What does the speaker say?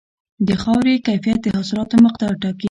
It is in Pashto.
د خاورې کیفیت د حاصلاتو مقدار ټاکي.